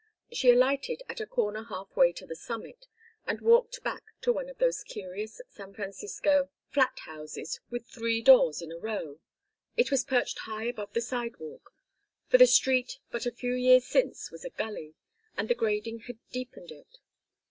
She alighted at a corner half way to the summit, and walked back to one of those curious San Francisco "Flat Houses" with three doors in a row. It was perched high above the sidewalk, for the street but a few years since was a gully, and the grading had deepened it.